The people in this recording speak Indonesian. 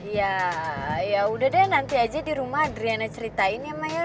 ya yaudah deh nanti aja di rumah adriana ceritain ya maya